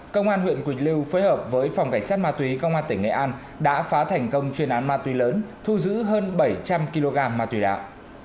công an huyện quỳnh lưu phối hợp với phòng cảnh sát ma túy công an tỉnh nghệ an đã phá thành công chuyên án ma túy lớn thu giữ hơn bảy trăm linh kg ma túy đạo